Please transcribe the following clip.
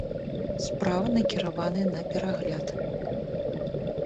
Справа накіраваная на перагляд.